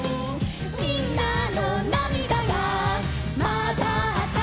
「みんなのなみだがまざったら」